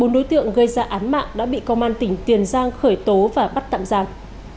bốn đối tượng gây ra án mạng đã bị công an tỉnh tiền giang khởi tố và bắt tạm giam